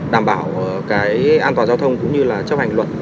đảm bảo cái an toàn giao thông cũng như là chấp hành luật